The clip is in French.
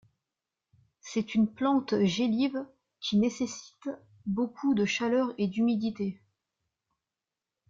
C'est une plante gélive qui nécessite beaucoup de chaleur et d'humidité.